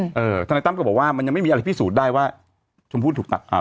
เออธนายตั้มก็บอกว่ามันยังไม่มีอะไรพิสูจน์ได้ว่าชมพู่ถูกตัดอ่า